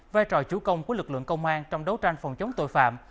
vai trò chủ công của lực lượng công an trong đấu tranh phòng chống tội phạm